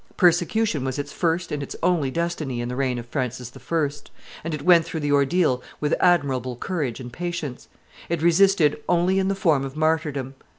Persecution was its first and its only destiny in the reign of Francis I., and it went through the ordeal with admirable courage and patience; it resisted only in the form of martyrdom.